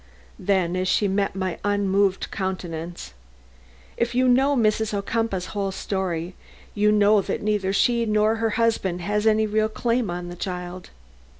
Then as she met my unmoved countenance: "If you know Mrs. Ocumpaugh's whole history, you know that neither she nor her husband has any real claim on the child."